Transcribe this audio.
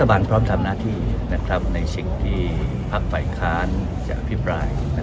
รัฐบาลพร้อมทำหน้าที่ในชิ้นที่พักไฟคลานจะอภิปราย